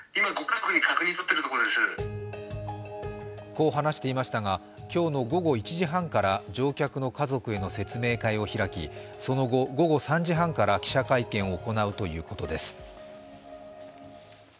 こう話していましたが、今日の午後１時半から乗客の家族への説明会を開き、その後、午後３時半から記者会見を行うということです。